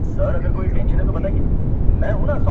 کوم ظالم رانه وژلې؛ د هنر سپینه ډېوه ده-